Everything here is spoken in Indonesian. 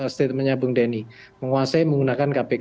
statementnya bung denny menguasai menggunakan kpk